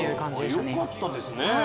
よかったですね！